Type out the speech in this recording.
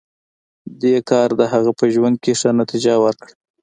دې کار د هغه په ژوند کې ښه نتېجه ورکړه